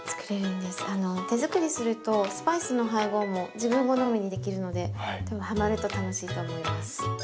手作りするとスパイスの配合も自分好みにできるので多分ハマると楽しいと思います。